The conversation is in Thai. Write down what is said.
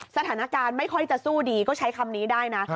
สถานการณ์ไม่ค่อยจะสู้ดีก็ใช้คำนี้ได้นะ